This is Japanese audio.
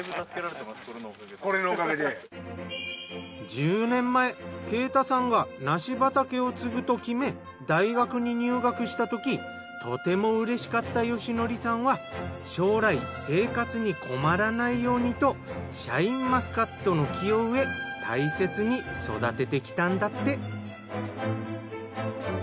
１０年前慶太さんが梨畑を継ぐと決め大学に入学したときとてもうれしかった芳則さんは将来生活に困らないようにとシャインマスカットの木を植え大切に育ててきたんだって。